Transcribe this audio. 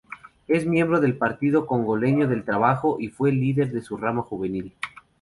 Es miembro del Partido Congoleño del Trabajo y fue líder de su rama juvenil.